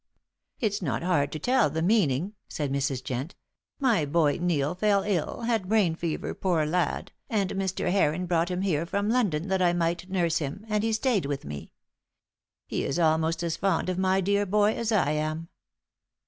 "It's not hard to tell the meaning," said Mrs. Jent. "My boy Neil fell ill, had brain fever, poor lad, and Mr. Heron brought him here from London that I might nurse him, and he stayed with me. He is almost as fond of my dear boy as I am."